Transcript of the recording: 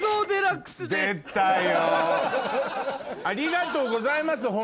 ありがとうございます